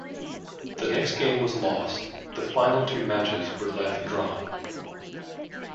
The next game was lost; the final two matches were left drawn.